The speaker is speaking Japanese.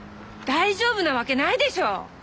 大丈夫なわけないでしょう！